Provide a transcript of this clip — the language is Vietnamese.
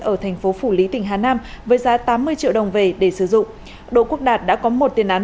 ở thành phố phủ lý tỉnh hà nam với giá tám mươi triệu đồng về để sử dụng đỗ quốc đạt đã có một tiền án